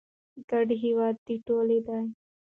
ګډ هېواد د ټولو دی.